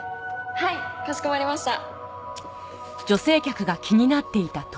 はいかしこまりました。